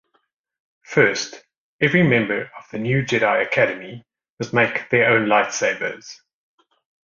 First, every member of the New Jedi Academy must make their own lightsabers.